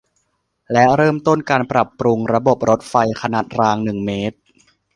และเริ่มต้นการปรับปรุงระบบรถไฟขนาดรางหนึ่งเมตร